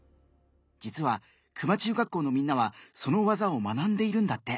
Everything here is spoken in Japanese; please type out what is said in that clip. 実は球磨中学校のみんなはその技を学んでいるんだって。